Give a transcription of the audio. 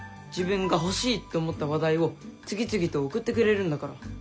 自分が欲しいと思った話題を次々と送ってくれるんだから。